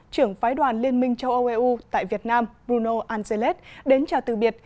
trưởng phái đoàn liên minh châu âu eu tại việt nam bruno ancelet đến chào từ biệt